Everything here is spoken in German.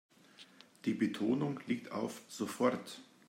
Die Betonung liegt auf sofort.